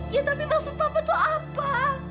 ya tapi maksud papa tuh apa